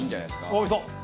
おいしそう！